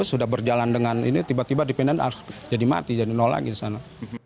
sudah berjalan dengan ini tiba tiba dipindahkan jadi mati jadi nol lagi disana